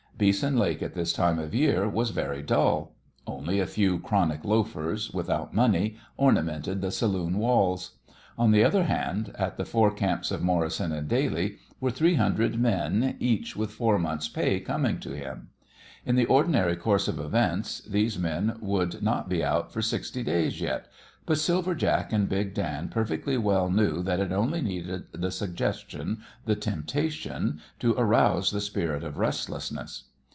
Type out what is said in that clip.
Beeson Lake at this time of year was very dull. Only a few chronic loafers, without money, ornamented the saloon walls. On the other hand, at the four camps of Morrison & Daly were three hundred men each with four months' pay coming to him. In the ordinary course of events these men would not be out for sixty days yet, but Silver Jack and Big Dan perfectly well knew that it only needed the suggestion, the temptation, to arouse the spirit of restlessness.